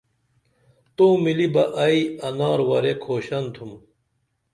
تو ملی بہ ائی انار ورے کُھوشن تُم